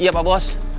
iya pak bos